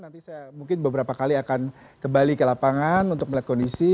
nanti saya mungkin beberapa kali akan kembali ke lapangan untuk melihat kondisi